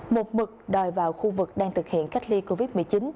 một mực đòi vào khu vực đang thực hiện cách ly covid một mươi chín